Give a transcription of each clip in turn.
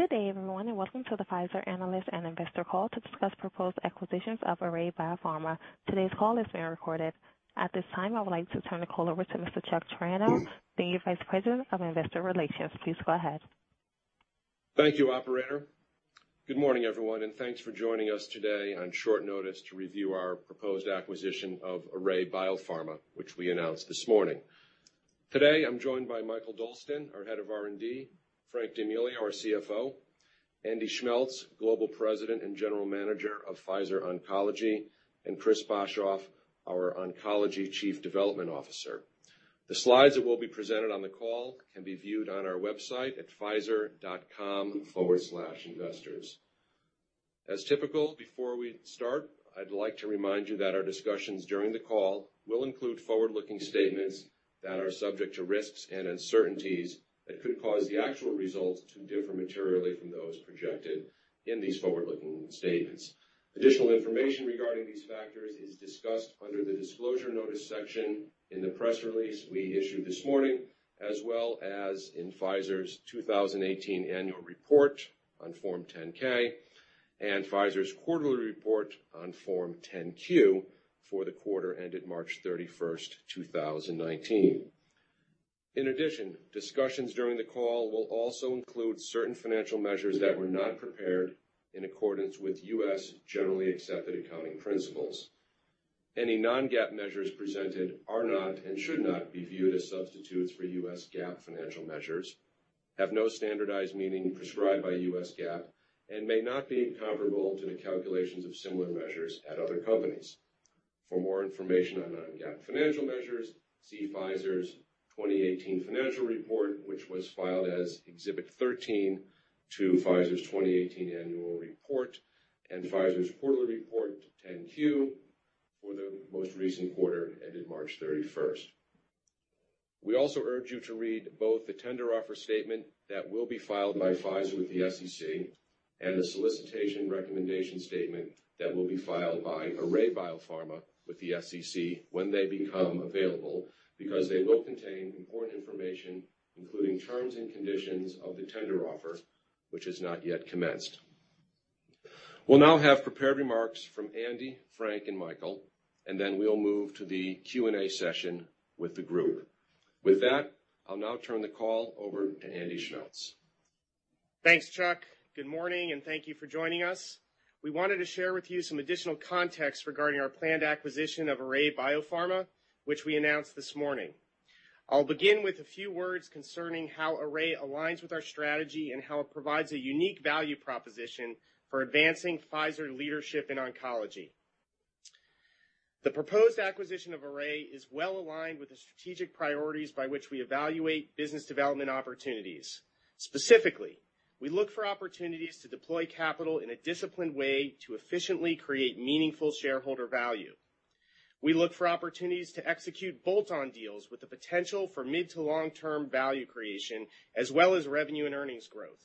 Good day, everyone, and welcome to the Pfizer analyst and investor call to discuss proposed acquisitions of Array BioPharma. Today's call is being recorded. At this time, I would like to turn the call over to Mr. Charles Triano, the Vice President of Investor Relations. Please go ahead. Thank you, operator. Good morning, everyone, thanks for joining us today on short notice to review our proposed acquisition of Array BioPharma, which we announced this morning. Today, I'm joined by Mikael Dolsten, our head of R&D, Frank D'Amelio, our CFO, Andy Schmeltz, Global President and General Manager of Pfizer Oncology, and Chris Boshoff, our Oncology Chief Development Officer. The slides that will be presented on the call can be viewed on our website at pfizer.com/investors. As typical, before we start, I'd like to remind you that our discussions during the call will include forward-looking statements that are subject to risks and uncertainties that could cause the actual results to differ materially from those projected in these forward-looking statements. Additional information regarding these factors is discussed under the Disclosure Notice section in the press release we issued this morning, as well as in Pfizer's 2018 annual report on Form 10-K and Pfizer's quarterly report on Form 10-Q for the quarter ended March 31st, 2019. Discussions during the call will also include certain financial measures that were not prepared in accordance with U.S. Generally Accepted Accounting Principles. Any non-GAAP measures presented are not and should not be viewed as substitutes for U.S. GAAP financial measures, have no standardized meaning prescribed by U.S. GAAP, and may not be comparable to the calculations of similar measures at other companies. For more information on non-GAAP financial measures, see Pfizer's 2018 financial report, which was filed as Exhibit 13 to Pfizer's 2018 annual report and Pfizer's quarterly report, 10-Q, for the most recent quarter ended March 31st. We also urge you to read both the tender offer statement that will be filed by Pfizer with the SEC and the solicitation recommendation statement that will be filed by Array BioPharma with the SEC when they become available, because they will contain important information, including terms and conditions of the tender offer, which has not yet commenced. We'll now have prepared remarks from Andy, Frank, and Mikael, then we'll move to the Q&A session with the group. With that, I'll now turn the call over to Andy Schmeltz. Thanks, Chuck. Good morning, and thank you for joining us. We wanted to share with you some additional context regarding our planned acquisition of Array BioPharma, which we announced this morning. I'll begin with a few words concerning how Array aligns with our strategy and how it provides a unique value proposition for advancing Pfizer leadership in oncology. The proposed acquisition of Array is well-aligned with the strategic priorities by which we evaluate business development opportunities. Specifically, we look for opportunities to deploy capital in a disciplined way to efficiently create meaningful shareholder value. We look for opportunities to execute bolt-on deals with the potential for mid to long-term value creation as well as revenue and earnings growth.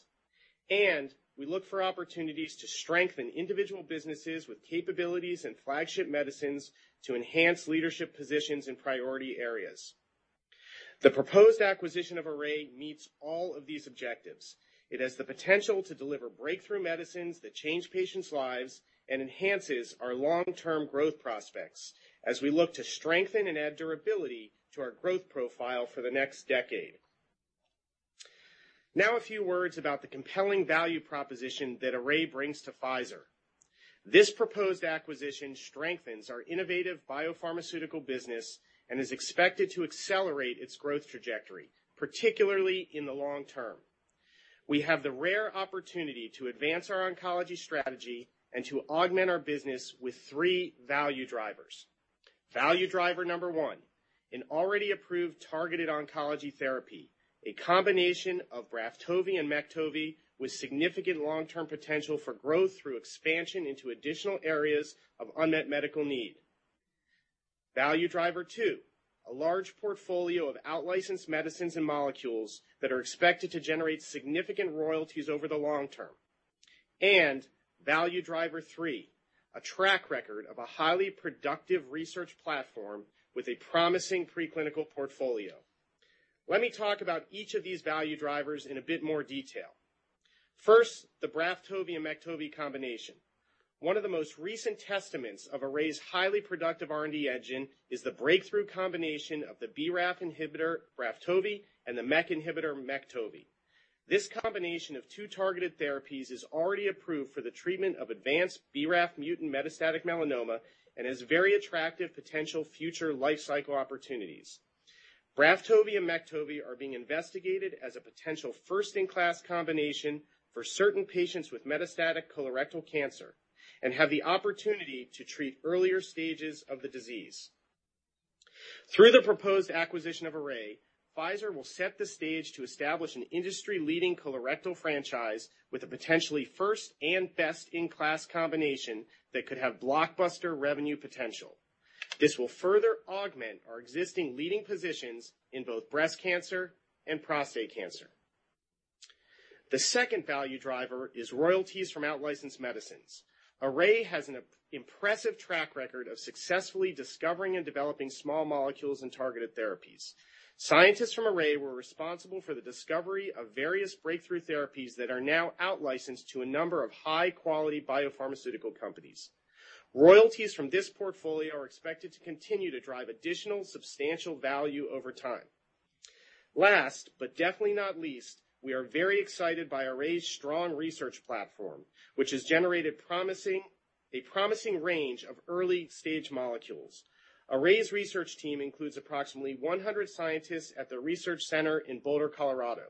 We look for opportunities to strengthen individual businesses with capabilities and flagship medicines to enhance leadership positions in priority areas. The proposed acquisition of Array meets all of these objectives. It has the potential to deliver breakthrough medicines that change patients' lives and enhances our long-term growth prospects as we look to strengthen and add durability to our growth profile for the next decade. Now, a few words about the compelling value proposition that Array brings to Pfizer. This proposed acquisition strengthens our innovative biopharmaceutical business and is expected to accelerate its growth trajectory, particularly in the long term. We have the rare opportunity to advance our oncology strategy and to augment our business with 3 value drivers. Value driver number 1, an already approved targeted oncology therapy, a combination of BRAFTOVI and MEKTOVI, with significant long-term potential for growth through expansion into additional areas of unmet medical need. Value driver 2, a large portfolio of out-licensed medicines and molecules that are expected to generate significant royalties over the long term. Value driver 3, a track record of a highly productive research platform with a promising preclinical portfolio. Let me talk about each of these value drivers in a bit more detail. First, the BRAFTOVI and MEKTOVI combination. One of the most recent testaments of Array's highly productive R&D engine is the breakthrough combination of the BRAF inhibitor, BRAFTOVI, and the MEK inhibitor, MEKTOVI. This combination of two targeted therapies is already approved for the treatment of advanced BRAF mutant metastatic melanoma and has very attractive potential future life cycle opportunities. BRAFTOVI and MEKTOVI are being investigated as a potential first-in-class combination for certain patients with metastatic colorectal cancer and have the opportunity to treat earlier stages of the disease. Through the proposed acquisition of Array, Pfizer will set the stage to establish an industry-leading colorectal franchise with a potentially first and best-in-class combination that could have blockbuster revenue potential. This will further augment our existing leading positions in both breast cancer and prostate cancer. The second value driver is royalties from out-licensed medicines. Array has an impressive track record of successfully discovering and developing small molecules and targeted therapies. Scientists from Array were responsible for the discovery of various breakthrough therapies that are now out-licensed to a number of high-quality biopharmaceutical companies. Royalties from this portfolio are expected to continue to drive additional substantial value over time. Last but definitely not least, we are very excited by Array's strong research platform, which has generated a promising range of early-stage molecules. Array's research team includes approximately 100 scientists at the research center in Boulder, Colorado.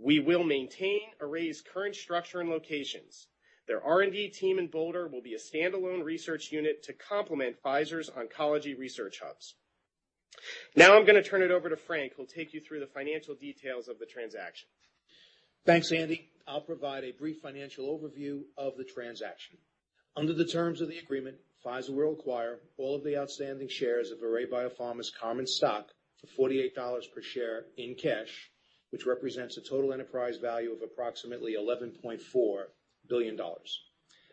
We will maintain Array's current structure and locations. Their R&D team in Boulder will be a standalone research unit to complement Pfizer's oncology research hubs. Now I'm going to turn it over to Frank, who'll take you through the financial details of the transaction. Thanks, Andy. I'll provide a brief financial overview of the transaction. Under the terms of the agreement, Pfizer will acquire all of the outstanding shares of Array BioPharma's common stock for $48 per share in cash, which represents a total enterprise value of approximately $11.4 billion.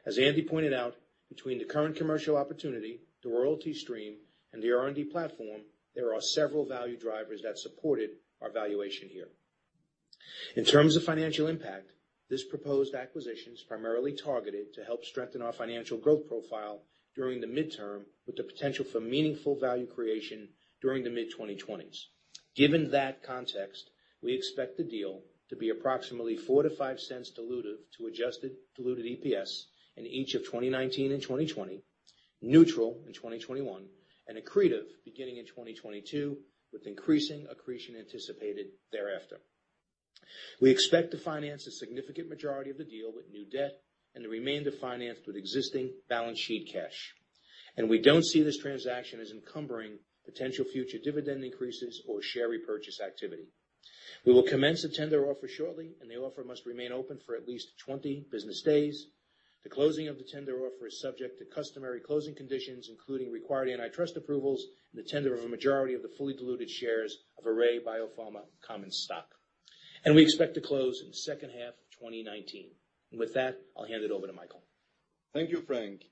As Andy pointed out, between the current commercial opportunity, the royalty stream, and the R&D platform, there are several value drivers that supported our valuation here. In terms of financial impact, this proposed acquisition is primarily targeted to help strengthen our financial growth profile during the midterm, with the potential for meaningful value creation during the mid-2020s. Given that context, we expect the deal to be approximately $0.04-$0.05 dilutive to adjusted diluted EPS in each of 2019 and 2020, neutral in 2021, and accretive beginning in 2022, with increasing accretion anticipated thereafter. We expect to finance a significant majority of the deal with new debt and the remainder financed with existing balance sheet cash. We don't see this transaction as encumbering potential future dividend increases or share repurchase activity. We will commence a tender offer shortly, the offer must remain open for at least 20 business days. The closing of the tender offer is subject to customary closing conditions, including required antitrust approvals and the tender of a majority of the fully diluted shares of Array BioPharma common stock. We expect to close in the second half of 2019. With that, I'll hand it over to Mikael. Thank you, Frank.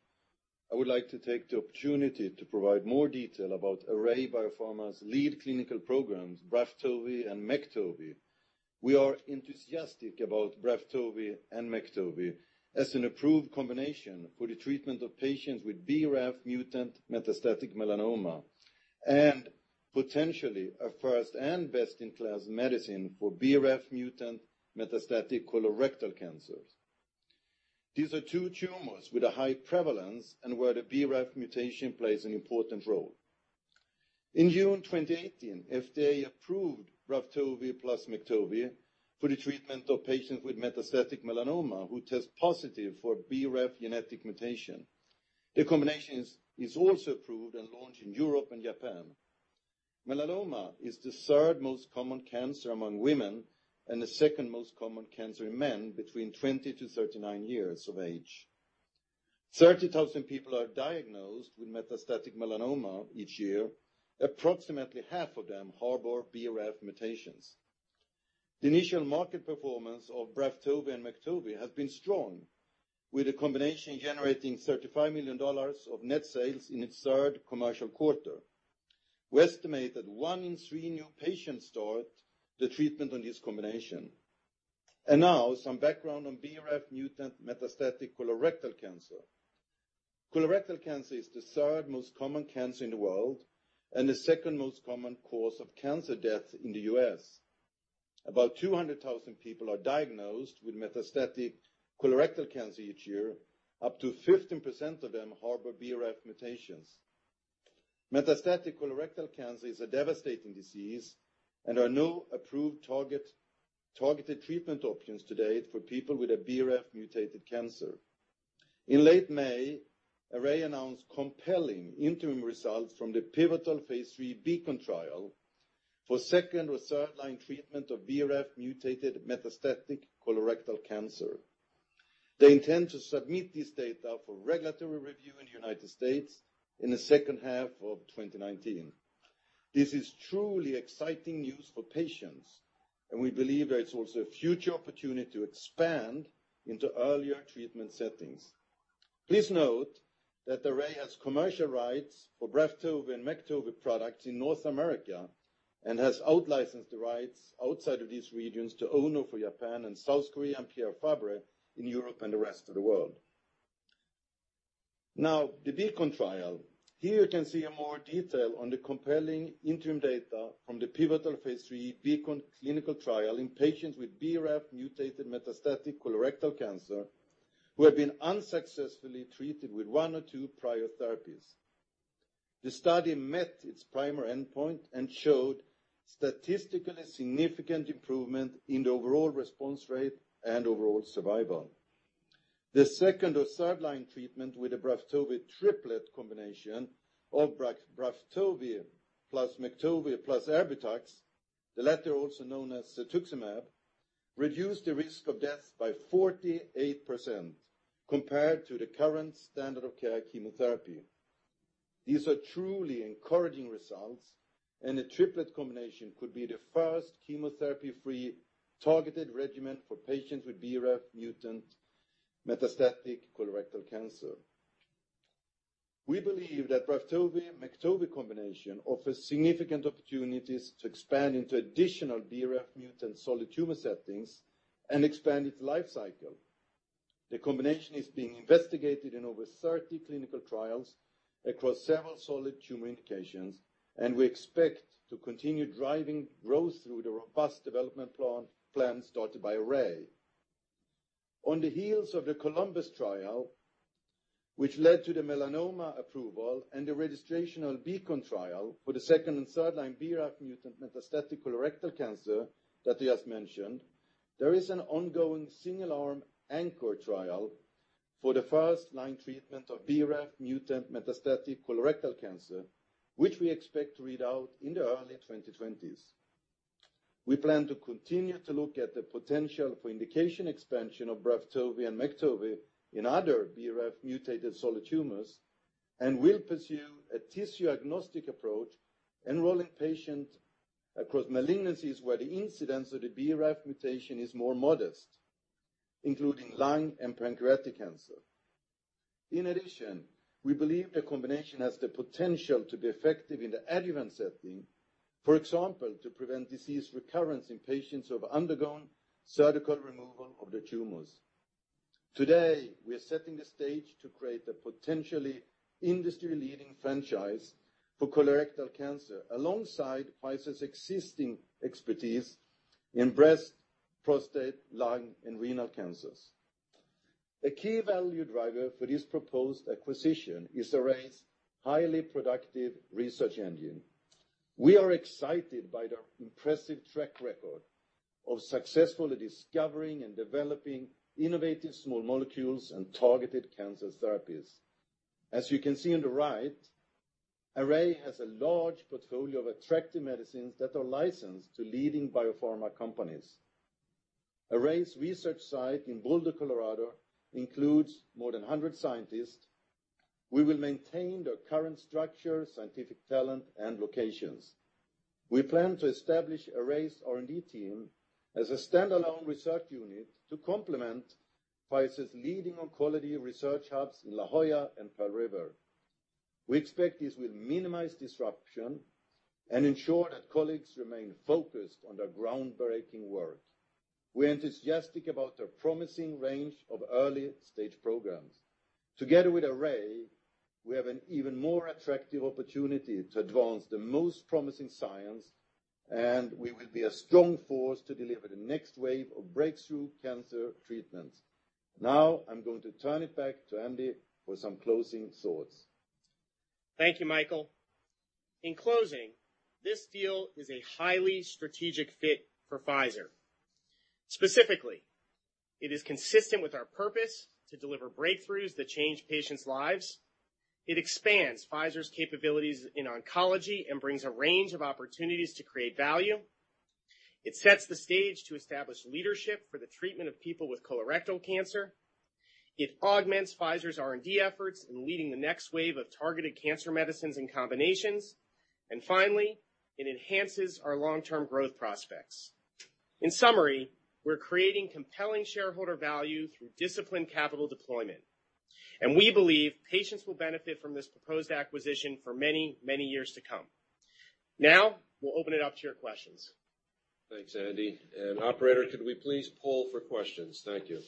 I would like to take the opportunity to provide more detail about Array BioPharma's lead clinical programs, BRAFTOVI and MEKTOVI. We are enthusiastic about BRAFTOVI and MEKTOVI as an approved combination for the treatment of patients with BRAF-mutant metastatic melanoma and potentially a first and best-in-class medicine for BRAF-mutant metastatic colorectal cancers. These are two tumors with a high prevalence and where the BRAF mutation plays an important role. In June 2018, FDA approved BRAFTOVI plus MEKTOVI for the treatment of patients with metastatic melanoma who test positive for BRAF genetic mutation. The combination is also approved and launched in Europe and Japan. Melanoma is the third most common cancer among women and the second most common cancer in men between 20 to 39 years of age. 30,000 people are diagnosed with metastatic melanoma each year, approximately half of them harbor BRAF mutations. The initial market performance of BRAFTOVI and MEKTOVI has been strong, with the combination generating $35 million of net sales in its third commercial quarter. We estimate that one in three new patients start the treatment on this combination. Now some background on BRAF-mutant metastatic colorectal cancer. Colorectal cancer is the third most common cancer in the world and the second most common cause of cancer deaths in the U.S. About 200,000 people are diagnosed with metastatic colorectal cancer each year. Up to 15% of them harbor BRAF mutations. Metastatic colorectal cancer is a devastating disease and are no approved targeted treatment options to date for people with a BRAF-mutated cancer. In late May, Array announced compelling interim results from the pivotal phase III BEACON trial for second or third-line treatment of BRAF-mutated metastatic colorectal cancer. They intend to submit this data for regulatory review in the United States in the second half of 2019. This is truly exciting news for patients. We believe there is also a future opportunity to expand into earlier treatment settings. Please note that Array has commercial rights for BRAFTOVI and MEKTOVI products in North America and has out-licensed the rights outside of these regions to Ono for Japan and South Korea, and Pierre Fabre in Europe and the rest of the world. The BEACON trial. Here you can see in more detail on the compelling interim data from the pivotal phase III BEACON clinical trial in patients with BRAF-mutated metastatic colorectal cancer who have been unsuccessfully treated with one or two prior therapies. The study met its primary endpoint and showed statistically significant improvement in the overall response rate and overall survival. The second or third-line treatment with the BRAFTOVI triplet combination of BRAFTOVI plus MEKTOVI plus Erbitux, the latter also known as cetuximab, reduced the risk of death by 48% compared to the current standard of care chemotherapy. These are truly encouraging results. The triplet combination could be the first chemotherapy-free targeted regimen for patients with BRAF-mutant metastatic colorectal cancer. We believe that BRAFTOVI and MEKTOVI combination offers significant opportunities to expand into additional BRAF mutant solid tumor settings and expand its life cycle. The combination is being investigated in over 30 clinical trials across several solid tumor indications. We expect to continue driving growth through the robust development plan started by Array. On the heels of the COLUMBUS trial, which led to the melanoma approval and the registrational BEACON trial for the second and third-line BRAF mutant metastatic colorectal cancer that he has mentioned, there is an ongoing single-arm ANCHOR trial for the first-line treatment of BRAF mutant metastatic colorectal cancer, which we expect to read out in the early 2020s. We plan to continue to look at the potential for indication expansion of BRAFTOVI and MEKTOVI in other BRAF mutated solid tumors. We will pursue a tissue-agnostic approach enrolling patients across malignancies where the incidence of the BRAF mutation is more modest, including lung and pancreatic cancer. In addition, we believe the combination has the potential to be effective in the adjuvant setting, for example, to prevent disease recurrence in patients who have undergone surgical removal of their tumors. Today, we are setting the stage to create a potentially industry-leading franchise for colorectal cancer, alongside Pfizer's existing expertise in breast, prostate, lung, and renal cancers. A key value driver for this proposed acquisition is Array's highly productive research engine. We are excited by their impressive track record of successfully discovering and developing innovative small molecules and targeted cancer therapies. As you can see on the right, Array has a large portfolio of attractive medicines that are licensed to leading biopharma companies. Array's research site in Boulder, Colorado, includes more than 100 scientists. We will maintain their current structure, scientific talent, and locations. We plan to establish Array's R&D team as a standalone research unit to complement Pfizer's leading oncology research hubs in La Jolla and Pearl River. We expect this will minimize disruption and ensure that colleagues remain focused on their groundbreaking work. We are enthusiastic about their promising range of early-stage programs. Together with Array, we have an even more attractive opportunity to advance the most promising science, and we will be a strong force to deliver the next wave of breakthrough cancer treatments. I'm going to turn it back to Andy for some closing thoughts. Thank you, Mikael. In closing, this deal is a highly strategic fit for Pfizer. Specifically, it is consistent with our purpose to deliver breakthroughs that change patients' lives. It expands Pfizer's capabilities in oncology and brings a range of opportunities to create value. It sets the stage to establish leadership for the treatment of people with colorectal cancer. It augments Pfizer's R&D efforts in leading the next wave of targeted cancer medicines and combinations, and finally, it enhances our long-term growth prospects. In summary, we're creating compelling shareholder value through disciplined capital deployment, and we believe patients will benefit from this proposed acquisition for many years to come. We'll open it up to your questions. Thanks, Andy. Operator, could we please poll for questions? Thank you.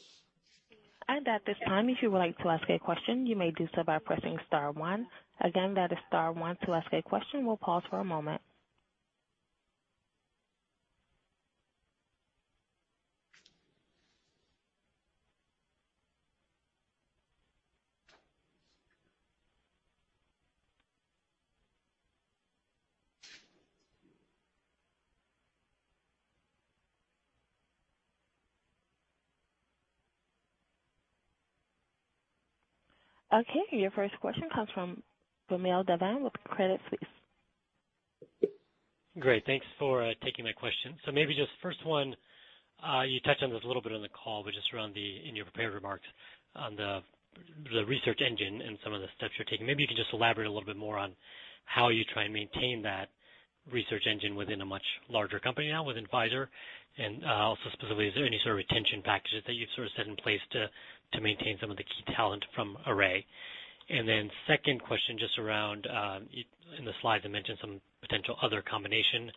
At this time, if you would like to ask a question, you may do so by pressing star one. Again, that is star one to ask a question. We'll pause for a moment. Your first question comes from Vamil Divan with Credit Suisse. Great. Thanks for taking my question. Maybe just first one, you touched on this a little bit on the call, but just around in your prepared remarks on the research engine and some of the steps you're taking, maybe you could just elaborate a little bit more on how you try and maintain that research engine within a much larger company now within Pfizer, and also specifically, is there any sort of retention packages that you've set in place to maintain some of the key talent from Array? Then second question, just around in the slides, you mentioned some potential other combination.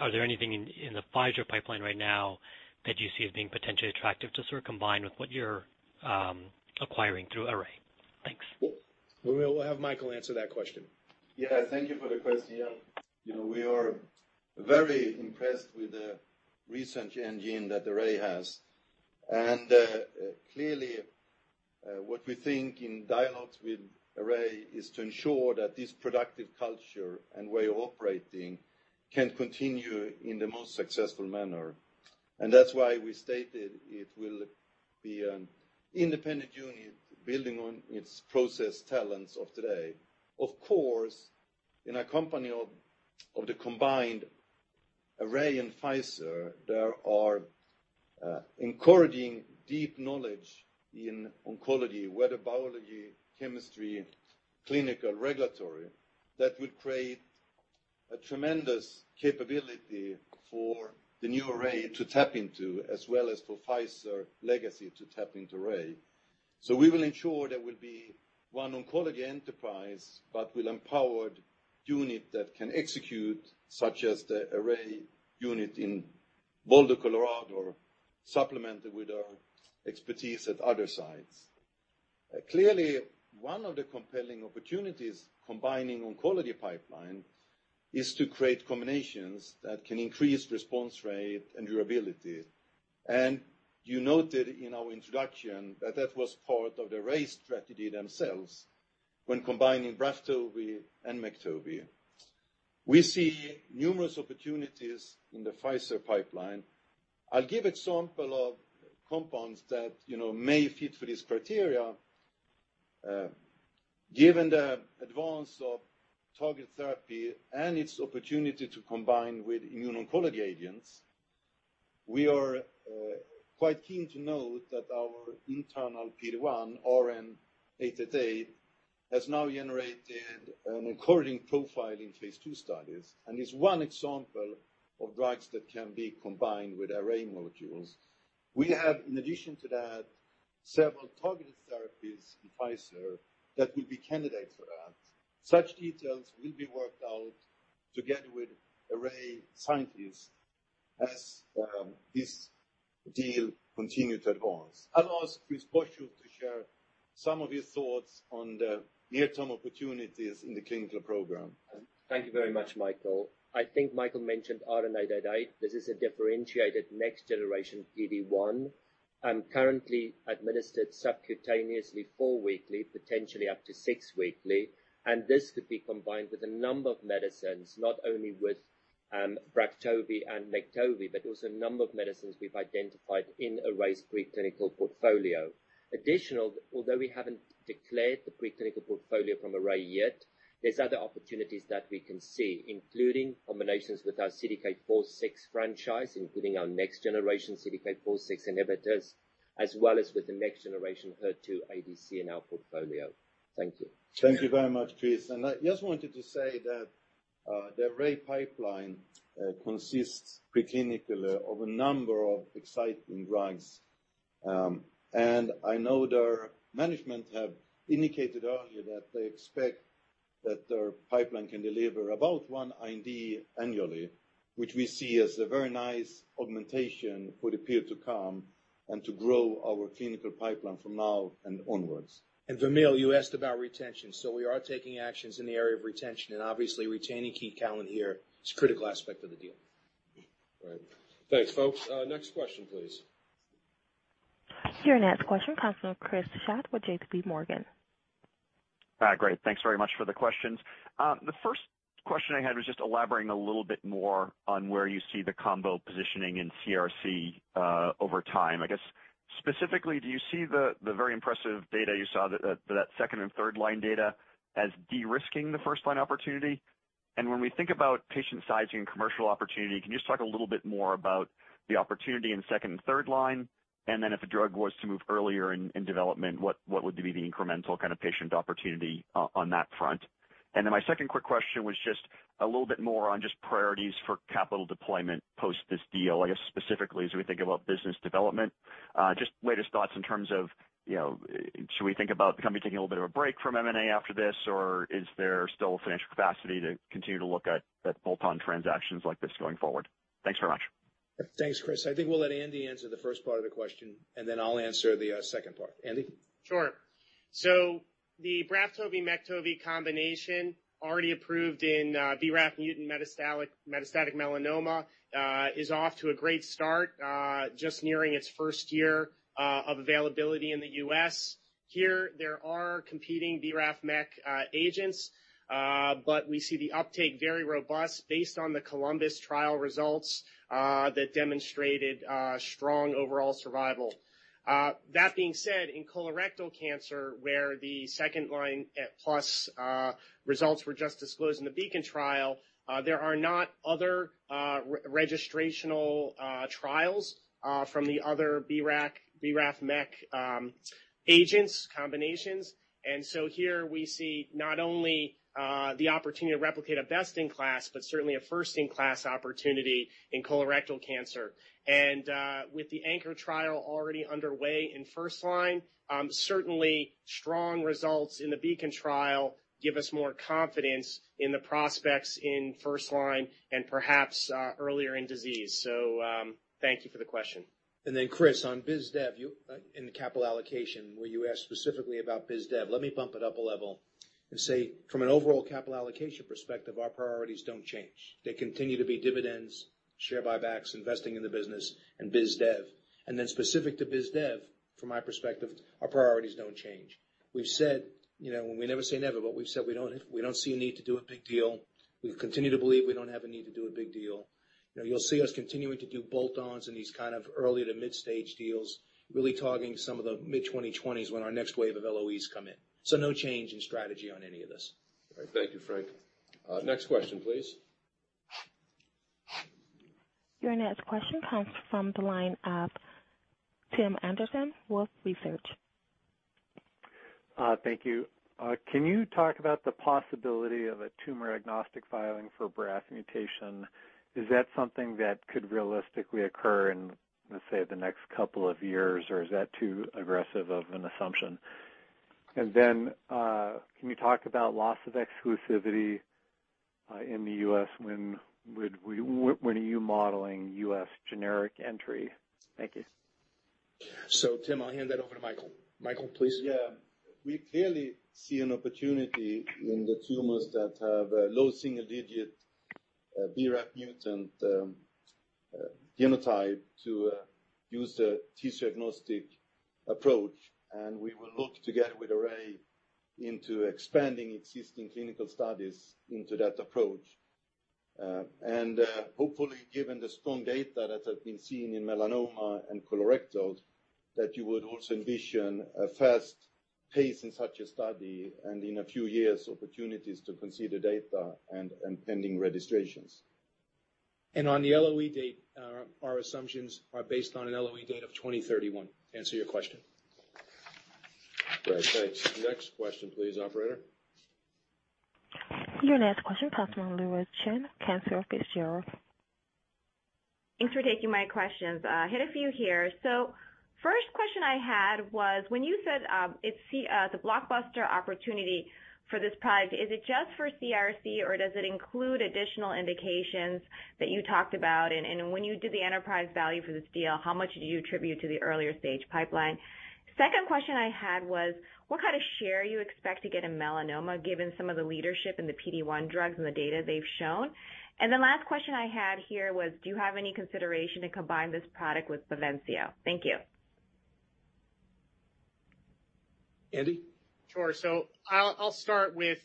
Are there anything in the Pfizer pipeline right now that you see as being potentially attractive to combine with what you're acquiring through Array? Thanks. We will have Mikael answer that question. Thank you for the question. We are very impressed with the research engine that Array has. Clearly, what we think in dialogues with Array is to ensure that this productive culture and way of operating can continue in the most successful manner. That's why we stated it will be an independent unit building on its process talents of today. Of course, in a company of the combined Array and Pfizer, there are encouraging deep knowledge in oncology, whether biology, chemistry, clinical, regulatory, that will create a tremendous capability for the new Array to tap into, as well as for Pfizer legacy to tap into Array. We will ensure there will be one oncology enterprise, but with empowered unit that can execute, such as the Array unit in Boulder, Colorado, supplemented with our expertise at other sites. Clearly, one of the compelling opportunities combining oncology pipeline is to create combinations that can increase response rate and durability. You noted in our introduction that that was part of the Array strategy themselves when combining BRAFTOVI and MEKTOVI. We see numerous opportunities in the Pfizer pipeline. I'll give examples of compounds that may fit for this criteria. Given the advance of targeted therapy and its opportunity to combine with immune oncology agents, we are quite keen to note that our internal PD-1, RN88, has now generated an encouraging profile in phase II studies and is one example of drugs that can be combined with Array molecules. We have, in addition to that, several targeted therapies in Pfizer that will be candidates for that. Such details will be worked out together with Array scientists as this deal continue to advance. I'll ask Chris Boshoff to share some of his thoughts on the near-term opportunities in the clinical program. Thank you very much, Mikael. I think Mikael mentioned RN88. This is a differentiated next generation PD-1 and currently administered subcutaneously four weekly, potentially up to six weekly. This could be combined with a number of medicines, not only with BRAFTOVI and MEKTOVI, but also a number of medicines we've identified in Array's preclinical portfolio. Additional, although we haven't declared the preclinical portfolio from Array yet, there's other opportunities that we can see, including combinations with our CDK4/6 franchise, including our next generation CDK4/6 inhibitors, as well as with the next generation HER2 ADC in our portfolio. Thank you. Thank you very much, Chris. I just wanted to say that the Array pipeline consists preclinically of a number of exciting drugs. I know their management have indicated earlier that they expect that their pipeline can deliver about one IND annually, which we see as a very nice augmentation for the period to come, and to grow our clinical pipeline from now and onwards. Vamil, you asked about retention. We are taking actions in the area of retention and obviously retaining key talent here is a critical aspect of the deal. All right. Thanks, folks. Next question, please. Your next question comes from Chris Schott with JPMorgan. Great. Thanks very much for the questions. The first question I had was just elaborating a little bit more on where you see the combo positioning in CRC over time. I guess, specifically, do you see the very impressive data you saw, that second and third line data, as de-risking the first line opportunity? When we think about patient sizing and commercial opportunity, can you just talk a little bit more about the opportunity in second and third line? If a drug was to move earlier in development, what would be the incremental kind of patient opportunity on that front? My second quick question was just a little bit more on just priorities for capital deployment post this deal. I guess specifically as we think about business development, just latest thoughts in terms of should we think about the company taking a little bit of a break from M&A after this, or is there still a financial capacity to continue to look at bolt-on transactions like this going forward? Thanks very much. Thanks, Chris. I think we'll let Andy answer the first part of the question, and then I'll answer the second part. Andy? Sure. The BRAFTOVI, MEKTOVI combination already approved in BRAF mutant metastatic melanoma, is off to a great start, just nearing its first year of availability in the U.S. Here, there are competing BRAF MEK agents, but we see the uptake very robust based on the COLUMBUS trial results that demonstrated strong overall survival. That being said, in colorectal cancer, where the second line plus results were just disclosed in the BEACON trial, there are not other registrational trials from the other BRAF MEK agents combinations. Here we see not only the opportunity to replicate a best in class, but certainly a first-in-class opportunity in colorectal cancer. With the ANCHOR trial already underway in first line, certainly strong results in the BEACON trial give us more confidence in the prospects in first line and perhaps earlier in disease. Thank you for the question. Chris, on biz dev, in the capital allocation, where you asked specifically about biz dev. Let me bump it up a level and say from an overall capital allocation perspective, our priorities don't change. They continue to be dividends, share buybacks, investing in the business, and biz dev. Specific to biz dev, from my perspective, our priorities don't change. We've said, we never say never, but we've said we don't see a need to do a big deal. We continue to believe we don't have a need to do a big deal. You'll see us continuing to do bolt-ons in these kind of early to mid-stage deals, really targeting some of the mid-2020s when our next wave of LOEs come in. No change in strategy on any of this. All right. Thank you, Frank. Next question, please. Your next question comes from the line of Tim Anderson, Wolfe Research. Thank you. Can you talk about the possibility of a tumor-agnostic filing for BRAF mutation? Is that something that could realistically occur in, let's say, the next couple of years, or is that too aggressive of an assumption? Then, can you talk about loss of exclusivity in the U.S.? When are you modeling U.S. generic entry? Thank you. Tim, I'll hand that over to Mikael. Mikael, please. Yeah. We clearly see an opportunity in the tumors that have a low single-digit BRAF mutant genotype to use a tissue-agnostic approach, and we will look together with Array into expanding existing clinical studies into that approach. Hopefully, given the strong data that has been seen in melanoma and colorectal, that you would also envision a fast pace in such a study, and in a few years, opportunities to consider data and pending registrations. On the LOE date, our assumptions are based on an LOE date of 2031. Answer your question. Great, thanks. Next question please, operator. Your next question comes from Louise Chen, Cantor Fitzgerald. Thanks for taking my questions. Hit a few here. First question I had was, when you said the blockbuster opportunity for this product, is it just for CRC, or does it include additional indications that you talked about? When you did the enterprise value for this deal, how much do you attribute to the earlier stage pipeline? Second question I had was, what kind of share you expect to get in melanoma, given some of the leadership in the PD-1 drugs and the data they've shown? The last question I had here was, do you have any consideration to combine this product with BAVENCIO? Thank you. Andy? Sure. I'll start with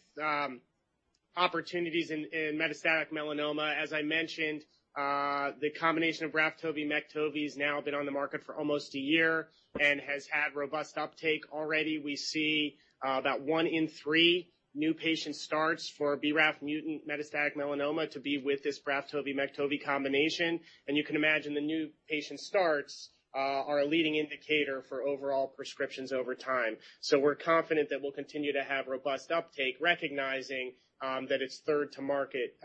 opportunities in metastatic melanoma. As I mentioned, the combination of BRAFTOVI, MEKTOVI's now been on the market for almost a year and has had robust uptake. Already, we see about 1 in 3 new patient starts for BRAF mutant metastatic melanoma to be with this BRAFTOVI, MEKTOVI combination. You can imagine the new patient starts are a leading indicator for overall prescriptions over time. We're confident that we'll continue to have robust uptake, recognizing that it's third to market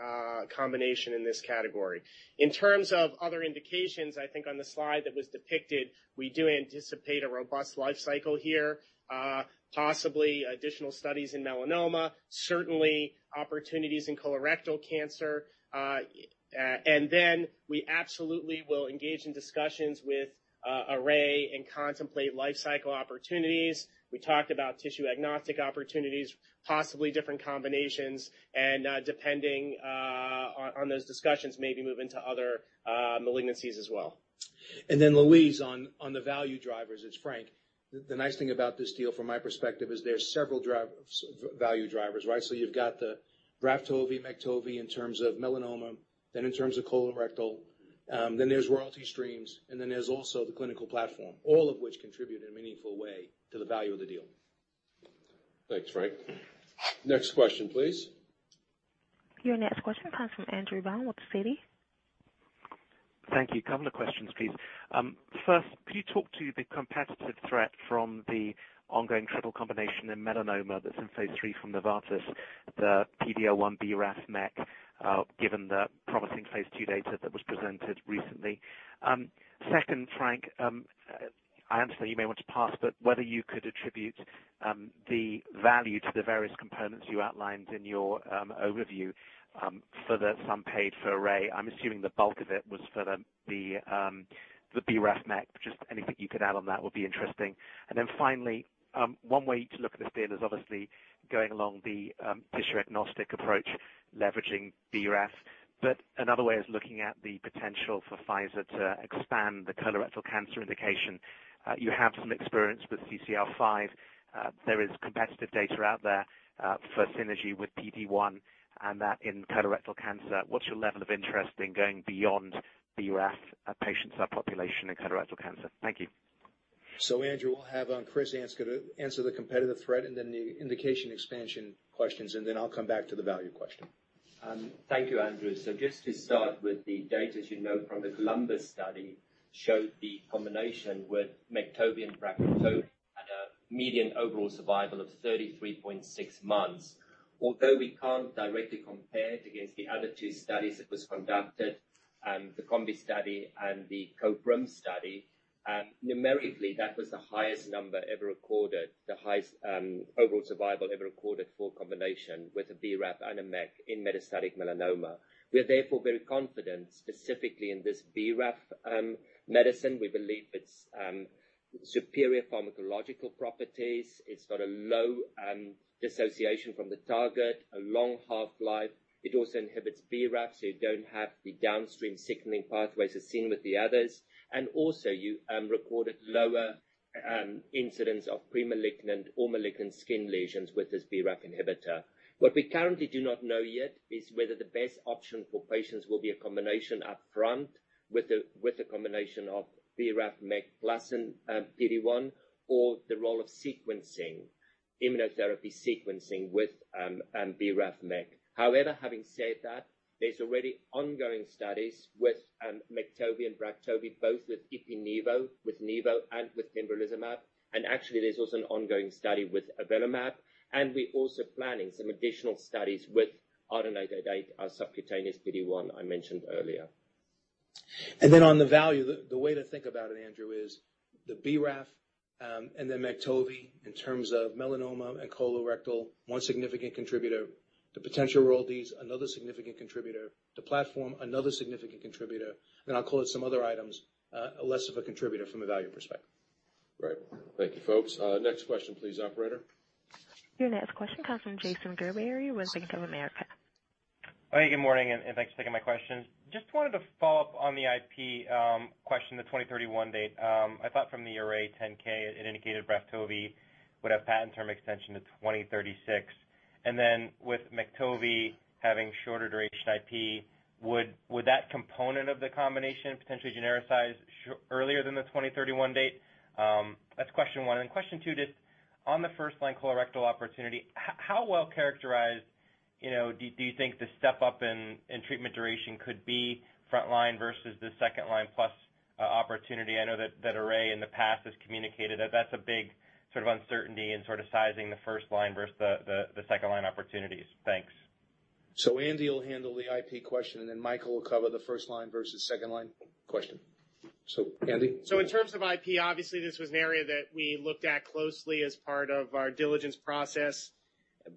combination in this category. In terms of other indications, I think on the slide that was depicted, we do anticipate a robust life cycle here. Possibly additional studies in melanoma, certainly opportunities in colorectal cancer. We absolutely will engage in discussions with Array and contemplate life cycle opportunities. We talked about tissue-agnostic opportunities, possibly different combinations, depending on those discussions, maybe move into other malignancies as well. Louise, on the value drivers, it's Frank. The nice thing about this deal from my perspective is there are several value drivers, right? You've got the BRAFTOVI, MEKTOVI in terms of melanoma, in terms of colorectal, there's royalty streams, there's also the clinical platform. All of which contribute in a meaningful way to the value of the deal. Thanks, Frank. Next question, please. Your next question comes from Andrew Baum with Citi. Thank you. Couple of questions, please. First, could you talk to the competitive threat from the ongoing triple combination in melanoma that's in phase III from Novartis, the PD-L1 BRAF MEK, given the promising phase II data that was presented recently? Frank, I understand you may want to pass, but whether you could attribute the value to the various components you outlined in your overview for the sum paid for Array. I'm assuming the bulk of it was for the BRAF MEK. Just anything you could add on that would be interesting. Finally, one way to look at this data is obviously going along the tissue-agnostic approach, leveraging BRAF, but another way is looking at the potential for Pfizer to expand the colorectal cancer indication. You have some experience with CCR5. There is competitive data out there for synergy with PD-1 and that in colorectal cancer. What's your level of interest in going beyond BRAF patient subpopulation in colorectal cancer? Thank you. Andrew, we'll have Chris answer the competitive threat and then the indication expansion questions, and then I'll come back to the value question. Thank you, Andrew. Just to start with the data, as you know from the COLUMBUS study, showed the combination with MEKTOVI and BRAFTOVI had a median overall survival of 33.6 months. Although we can't directly compare it against the other two studies that was conducted, the COMBI study and the coBRIM study, numerically that was the highest number ever recorded, the highest overall survival ever recorded for combination with a BRAF and a MEK in metastatic melanoma. We are therefore very confident specifically in this BRAF medicine. We believe it's superior pharmacological properties. It's got a low dissociation from the target, a long half-life. It also inhibits BRAF, so you don't have the downstream signaling pathways as seen with the others. Also you recorded lower incidents of premalignant or malignant skin lesions with this BRAF inhibitor. What we currently do not know yet is whether the best option for patients will be a combination up front with a combination of BRAF MEK plus PD-1, or the role of immunotherapy sequencing with BRAF MEK. However, having said that, there's already ongoing studies with MEKTOVI and BRAFTOVI, both with ipi/nivo, with nivo, and with pembrolizumab, actually there's also an ongoing study with avelumab. We're also planning some additional studies with RNA 88, our subcutaneous PD-1 I mentioned earlier. On the value, the way to think about it, Andrew, is the BRAF and then MEKTOVI in terms of melanoma and colorectal, one significant contributor. The potential royalties, another significant contributor. The platform, another significant contributor. I'll call it some other items, less of a contributor from a value perspective. Right. Thank you, folks. Next question please, operator. Your next question comes from Jason Gerberry with Bank of America. Good morning. Thanks for taking my question. Just wanted to follow up on the IP question, the 2031 date. I thought from the Array 10-K it indicated BRAFTOVI would have patent term extension to 2036, then with MEKTOVI having shorter duration IP, would that component of the combination potentially genericize earlier than the 2031 date? That's question one. Question two, just on the first-line colorectal opportunity, how well characterized do you think the step up in treatment duration could be front line versus the second line plus opportunity? I know that Array in the past has communicated that that's a big sort of uncertainty in sort of sizing the first line versus the second line opportunities. Thanks. Andy will handle the IP question, then Mikael will cover the first line versus second line question. Andy? In terms of IP, obviously, this was an area that we looked at closely as part of our diligence process.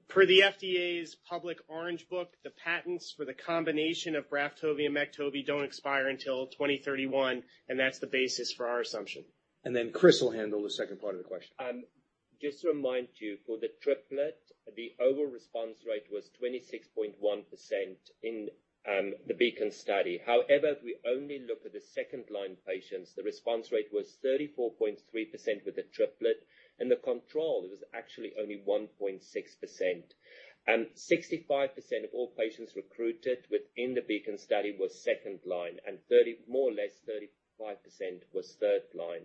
Per the FDA's public Orange Book, the patents for the combination of BRAFTOVI and MEKTOVI don't expire until 2031, and that's the basis for our assumption. Chris will handle the second part of the question. Just to remind you, for the triplet, the overall response rate was 26.1% in the BEACON study. However, if we only look at the second-line patients, the response rate was 34.3% with the triplet, and the control, it was actually only 1.6%. 65% of all patients recruited within the BEACON study were second-line, and more or less 35% was third-line.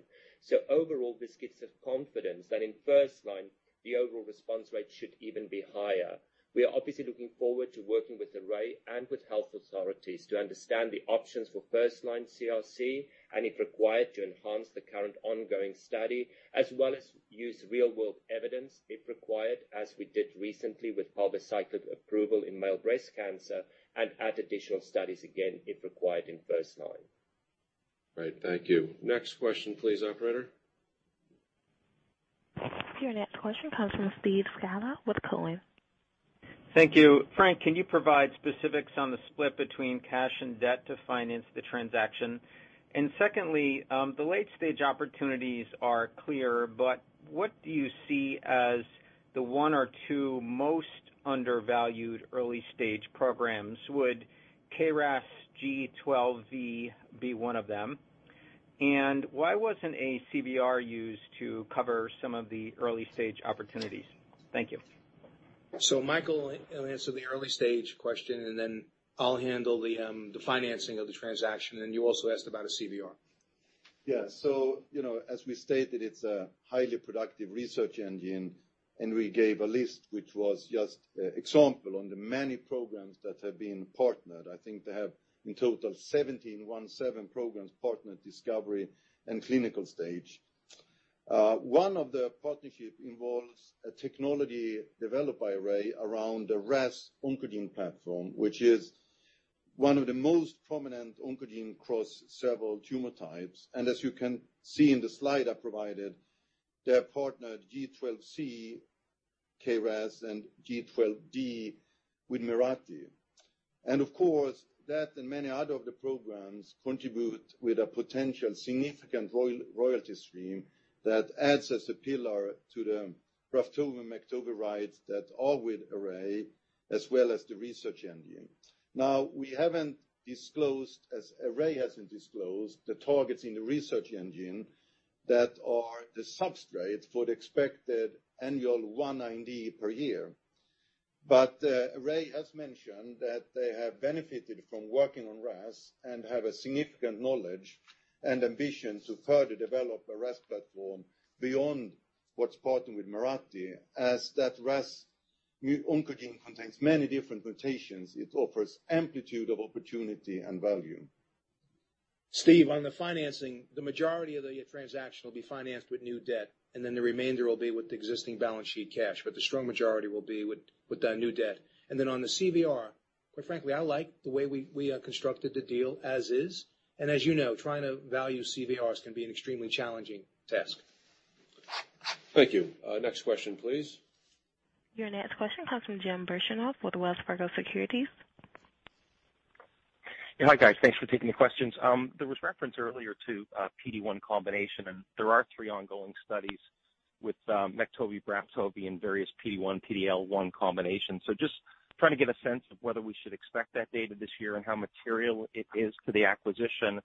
Overall, this gives us confidence that in first-line, the overall response rate should even be higher. We are obviously looking forward to working with Array and with health authorities to understand the options for first-line CRC, and if required, to enhance the current ongoing study as well as use real-world evidence if required, as we did recently with palbociclib approval in male breast cancer and add additional studies again, if required in first-line. Right. Thank you. Next question please, operator. Your next question comes from Steve Scala with Cowen. Thank you. Frank, can you provide specifics on the split between cash and debt to finance the transaction? Secondly, the late-stage opportunities are clear, but what do you see as the one or two most undervalued early-stage programs? Would KRAS G12V be one of them? Why wasn't a CVR used to cover some of the early-stage opportunities? Thank you. Mikael will answer the early-stage question, then I'll handle the financing of the transaction. Then you also asked about a CVR. Yeah. As we stated, it's a highly productive research engine, and we gave a list, which was just an example on the many programs that have been partnered. I think they have, in total, 17 programs partnered discovery and clinical stage. One of the partnership involves a technology developed by Array around the RAS oncogene platform, which is one of the most prominent oncogene cross several tumor types. As you can see in the slide I provided, they have partnered G12C, KRAS, and G12D with Mirati. Of course, that and many other of the programs contribute with a potential significant royalty stream that adds as a pillar to the BRAFTOVI, MEKTOVI rights that are with Array, as well as the research engine. We haven't disclosed, as Array hasn't disclosed, the targets in the research engine that are the substrates for the expected annual $190 per year. Array has mentioned that they have benefited from working on RAS and have a significant knowledge and ambition to further develop a RAS platform beyond what's partnered with Mirati. That RAS oncogene contains many different mutations, it offers amplitude of opportunity and value. Steve Scala, on the financing, the majority of the transaction will be financed with new debt, the remainder will be with existing balance sheet cash, the strong majority will be with that new debt. On the CVR, quite frankly, I like the way we constructed the deal as is. As you know, trying to value CVRs can be an extremely challenging task. Thank you. Next question, please. Your next question comes from Jim Birchenough with Wells Fargo Securities. Hi, guys. Thanks for taking the questions. There was reference earlier to PD-1 combination. There are three ongoing studies with MEKTOVI, BRAFTOVI in various PD-1, PD-L1 combination. Just trying to get a sense of whether we should expect that data this year and how material it is to the acquisition.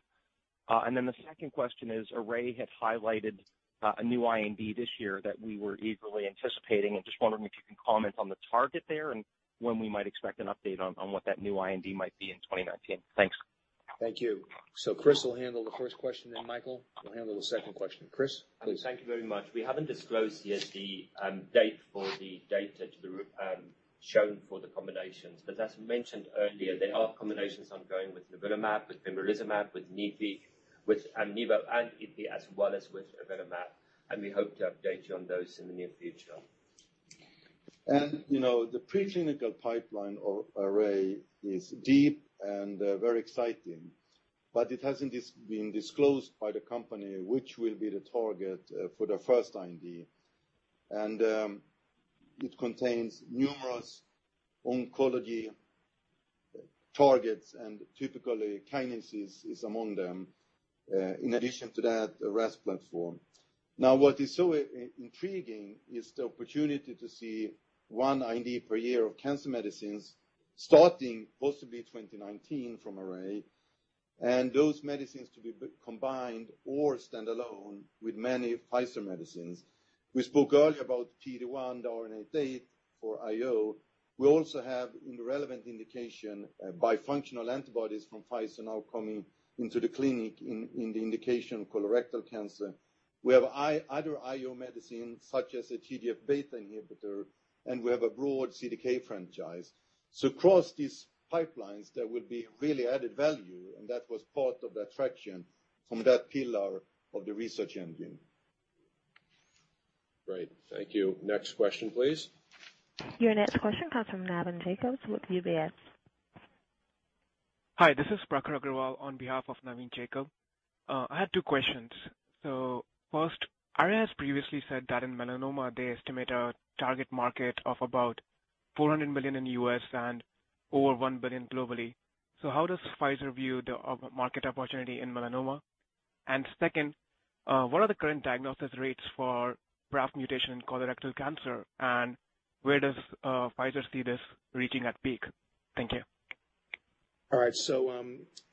The second question is, Array had highlighted a new IND this year that we were eagerly anticipating and just wondering if you can comment on the target there and when we might expect an update on what that new IND might be in 2019. Thanks. Thank you. Chris will handle the first question, then Mikael will handle the second question. Chris, please. Thank you very much. We haven't disclosed yet the date for the data shown for the combinations. As mentioned earlier, there are combinations ongoing with nivolumab, with pembrolizumab, with nivo, with Opdualag and ipilimumab, as well as with avelumab. We hope to update you on those in the near future. The preclinical pipeline of Array is deep and very exciting, but it hasn't been disclosed by the company, which will be the target for the first IND. It contains numerous oncology targets and typically kinases is among them. In addition to that, the RAS platform. What is so intriguing is the opportunity to see one IND per year of cancer medicines starting possibly 2019 from Array. Those medicines to be combined or standalone with many Pfizer medicines. We spoke earlier about PD-1 and RNA tech for IO. We also have in relevant indication by functional antibodies from Pfizer now coming into the clinic in the indication of colorectal cancer. We have other IO medicines such as a TGF-beta inhibitor. We have a broad CDK franchise. Across these pipelines, there will be really added value, and that was part of the attraction from that pillar of the research engine. Great. Thank you. Next question, please. Your next question comes from Navin Jacob with UBS. Hi, this is Prakhar Agrawal on behalf of Navin Jacob. I had two questions. First, Array has previously said that in melanoma they estimate a target market of about $400 million in the U.S. and over $1 billion globally. How does Pfizer view the market opportunity in melanoma? Second, what are the current diagnosis rates for BRAF mutation in colorectal cancer, and where does Pfizer see this reaching at peak? Thank you.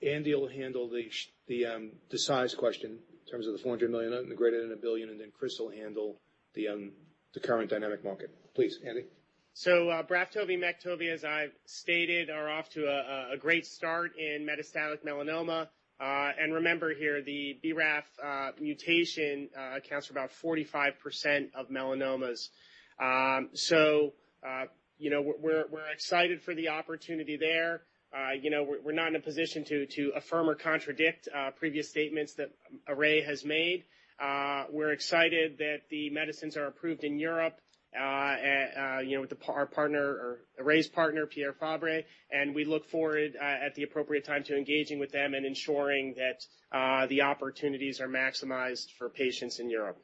Andy will handle the size question in terms of the $400 million and the greater than $1 billion, and then Chris will handle the current dynamic market. Please, Andy. BRAFTOVI, MEKTOVI, as I've stated, are off to a great start in metastatic melanoma. Remember here, the BRAF mutation accounts for about 45% of melanomas. We're excited for the opportunity there. We're not in a position to affirm or contradict previous statements that Array has made. We're excited that the medicines are approved in Europe with Array's partner, Pierre Fabre, and we look forward, at the appropriate time, to engaging with them and ensuring that the opportunities are maximized for patients in Europe.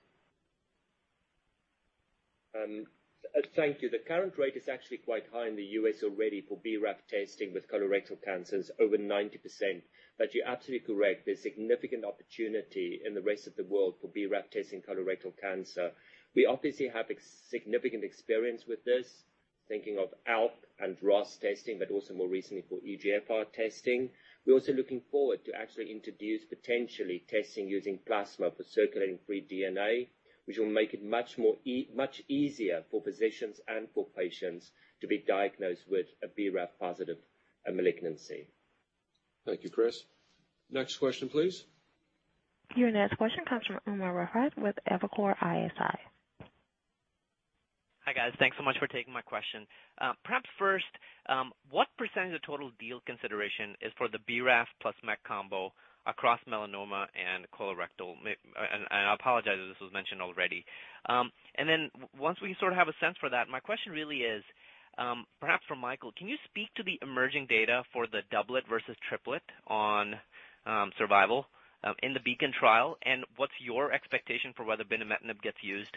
Thank you. The current rate is actually quite high in the U.S. already for BRAF testing with colorectal cancers, over 90%. You're absolutely correct. There's significant opportunity in the rest of the world for BRAF testing colorectal cancer. We obviously have significant experience with this, thinking of ALK and ROS testing, but also more recently for EGFR testing. We're also looking forward to actually introduce potentially testing using plasma for circulating free DNA, which will make it much easier for physicians and for patients to be diagnosed with a BRAF positive malignancy. Thank you, Chris. Next question, please. Your next question comes from Umer Raffat with Evercore ISI. Hi, guys. Thanks so much for taking my question. Perhaps first, what percentage of total deal consideration is for the BRAF plus MEK combo across melanoma and colorectal? I apologize if this was mentioned already. Once we sort of have a sense for that, my question really is, perhaps for Mikael, can you speak to the emerging data for the doublet versus triplet on survival in the BEACON trial, and what's your expectation for whether binimetinib gets used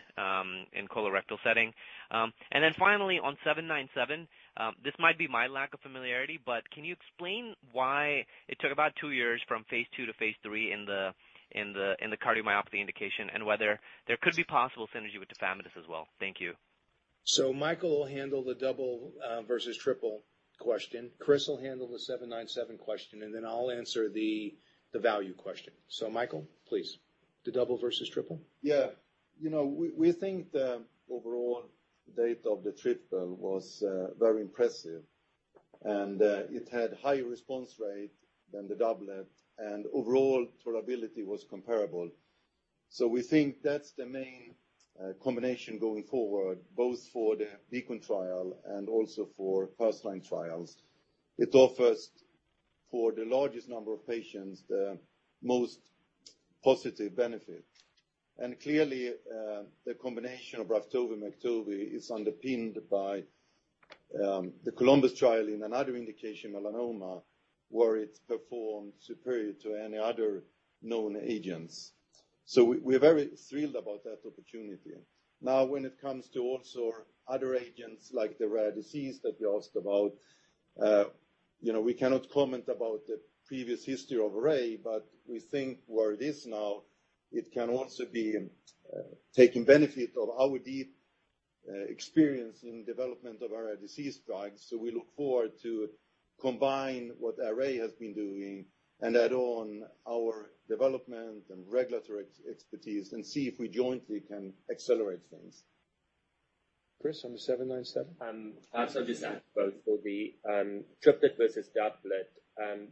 in colorectal setting? Finally, on PF-07307974, this might be my lack of familiarity, but can you explain why it took about two years from phase II to phase III in the cardiomyopathy indication, and whether there could be possible synergy with tafamidis as well? Thank you. Mikael will handle the double versus triple question. Chris will handle the PF-07307974 question, and I'll answer the value question. Mikael, please. The double versus triple. Yeah. We think the overall data of the triple was very impressive, and it had higher response rate than the doublet, and overall tolerability was comparable. We think that's the main combination going forward, both for the BEACON trial and also for first-line trials. It offers for the largest number of patients the most positive benefit. Clearly, the combination of BRAFTOVI, MEKTOVI is underpinned by the COLUMBUS trial in another indication, melanoma, where it's performed superior to any other known agents. We're very thrilled about that opportunity. When it comes to also other agents like the rare disease that you asked about, we cannot comment about the previous history of Array, but we think where it is now, it can also be taking benefit of our deep experience in development of rare disease drugs. We look forward to combine what Array has been doing and add on our development and regulatory expertise and see if we jointly can accelerate things. Chris, on the PF-07307974? Just add both for the triplet versus doublet.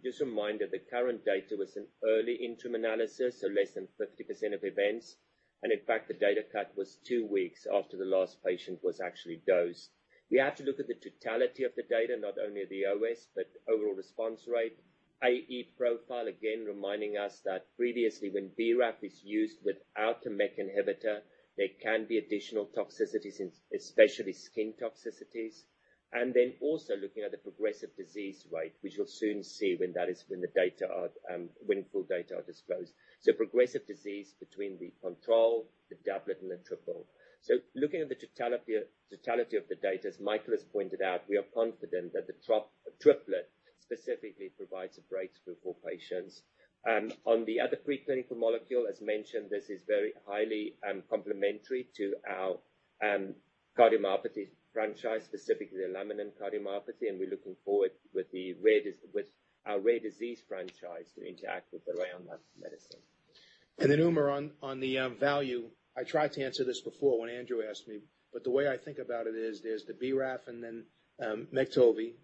Just a reminder, the current data was an early interim analysis, less than 50% of events. In fact, the data cut was two weeks after the last patient was actually dosed. We have to look at the totality of the data, not only the OS, but overall response rate, AE profile, again, reminding us that previously when BRAF is used without a MEK inhibitor, there can be additional toxicities, especially skin toxicities. Then also looking at the progressive disease rate, which we'll soon see when full data are disclosed. Progressive disease between the control, the doublet, and the triple. Looking at the totality of the data, as Mikael has pointed out, we are confident that the triplet specifically provides a breakthrough for patients. On the other preclinical molecule, as mentioned, this is very highly complementary to our cardiomyopathy franchise, specifically the lamin cardiomyopathy, and we're looking forward with our rare disease franchise to interact with the ranolazine medicine. Umer, on the value, I tried to answer this before when Andrew asked me, the way I think about it is, there's the BRAF and then MEKTOVI,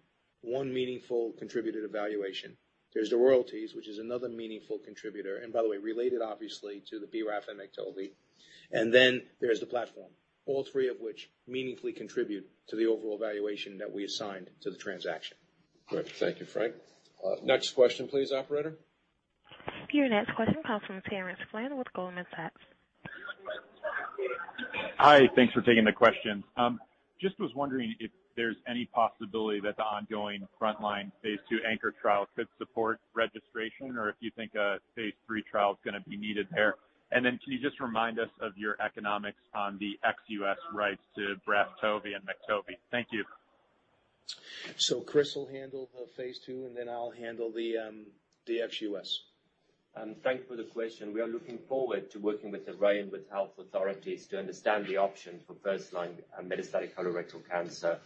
one meaningful contributed evaluation. There's the royalties, which is another meaningful contributor, and by the way, related obviously to the BRAF and MEKTOVI. There's the platform. All three of which meaningfully contribute to the overall valuation that we assigned to the transaction. Great. Thank you, Frank. Next question please, operator. Your next question comes from Salveen Richter with Goldman Sachs. Hi. Thanks for taking the question. Just was wondering if there's any possibility that the ongoing frontline phase II ANCHOR trial could support registration, or if you think a phase III trial is going to be needed there. Can you just remind us of your economics on the ex-U.S. rights to BRAFTOVI and MEKTOVI? Thank you. Chris will handle the phase II, and then I'll handle the ex-U.S. Thank you for the question. We are looking forward to working with Array BioPharma and with health authorities to understand the option for first-line metastatic colorectal cancer.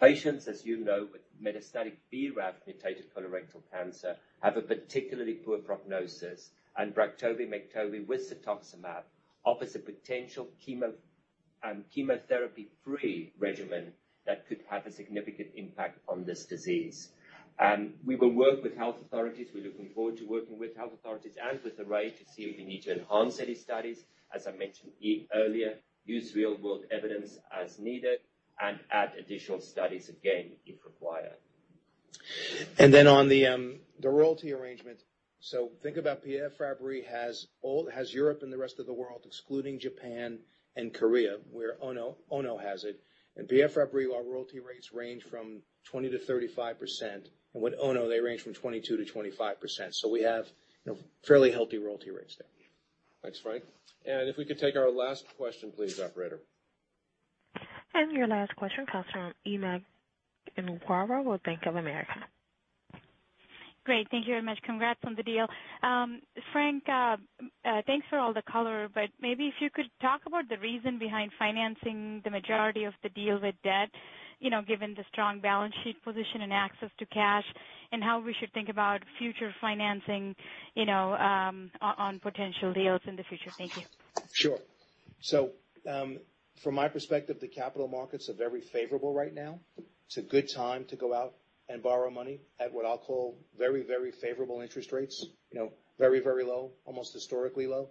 Patients, as you know, with metastatic BRAF mutated colorectal cancer have a particularly poor prognosis, and BRAFTOVI, MEKTOVI with cetuximab offers a potential chemotherapy-free regimen that could have a significant impact on this disease. We will work with health authorities. We're looking forward to working with health authorities and with Array BioPharma to see if we need to enhance any studies, as I mentioned earlier, use real-world evidence as needed and add additional studies again, if required. On the royalty arrangement. Think about Pierre Fabre has Europe and the rest of the world, excluding Japan and Korea, where Ono Pharmaceutical has it. In Pierre Fabre, our royalty rates range from 20%-35%, and with Ono Pharmaceutical, they range from 22%-25%. We have fairly healthy royalty rates there. Thanks, Frank. If we could take our last question, please, operator. Your last question comes from [Hima Inguva] with Bank of America. Great. Thank you very much. Congrats on the deal. Frank, thanks for all the color. Maybe if you could talk about the reason behind financing the majority of the deal with debt, given the strong balance sheet position and access to cash, and how we should think about future financing on potential deals in the future. Thank you. Sure. From my perspective, the capital markets are very favorable right now. It's a good time to go out and borrow money at what I'll call very, very favorable interest rates, very, very low, almost historically low.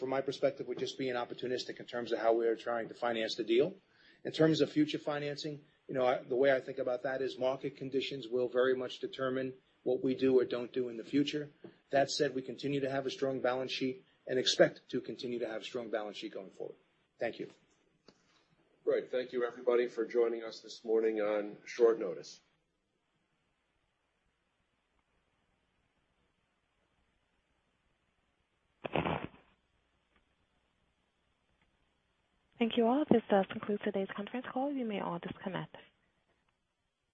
From my perspective, we're just being opportunistic in terms of how we are trying to finance the deal. In terms of future financing, the way I think about that is market conditions will very much determine what we do or don't do in the future. That said, we continue to have a strong balance sheet and expect to continue to have strong balance sheet going forward. Thank you. Great. Thank you everybody for joining us this morning on short notice. Thank you all. This does conclude today's conference call. You may all disconnect.